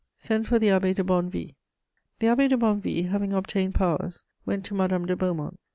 Send for the Abbé de Bonnevie." The Abbé de Bonnevie, having obtained powers, went to Madame de Beaumont.